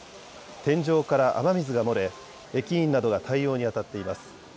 天井から雨水が漏れ、駅員などが対応にあたっています。